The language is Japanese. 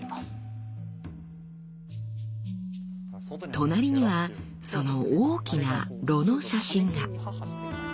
隣にはその大きな炉の写真が。